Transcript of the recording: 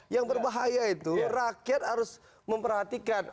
yang berbahaya itu rakyat harus memperhatikan